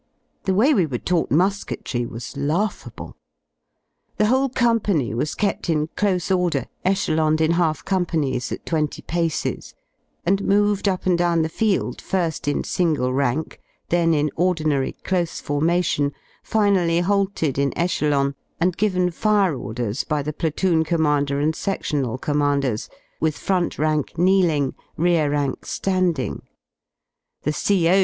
The way we were taught musketry was laughable. The whole Company was kept in close order, echeloned in half com panies at twenty paces, and moved up and down the field fir^ in single rank, then in ordinary close formation, finally halted in echelon, and given fire orders by the Platoon Commander and Sedional Commanders, with front rank kneeling, rear rank landing; the CO.